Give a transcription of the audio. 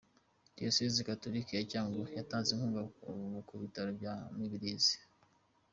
Diyosezi Gatolika ya Cyangugu yatanze inkunga ku Bitaro bya Mibirizi